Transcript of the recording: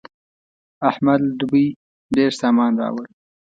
احمد له دوبۍ ډېر سامان راوړ.